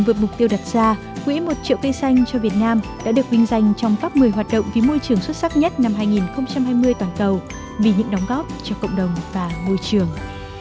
vượt mục tiêu đặt ra quỹ một triệu cây xanh cho việt nam đã được vinh danh trong top một mươi hoạt động vì môi trường xuất sắc nhất năm hai nghìn hai mươi toàn cầu vì những đóng góp cho cộng đồng và môi trường